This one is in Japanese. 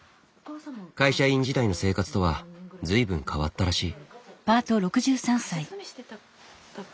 会社員時代の生活とは随分変わったらしい。